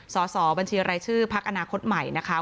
สอบบัญชีรายชื่อพักอนาคตใหม่นะคะ